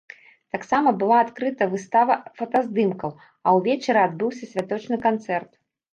Таксама была адкрыта выстава фотаздымкаў, а ўвечары адбыўся святочны канцэрт.